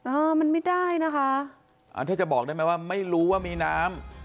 เออมันไม่ได้นะคะอ่าถ้าจะบอกได้ไหมว่าไม่รู้ว่ามีน้ำ